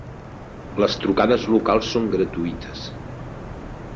Les trucades locals són gratuïtes.